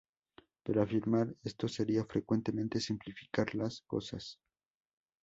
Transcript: Pero afirmar esto sería frecuentemente simplificar las cosas.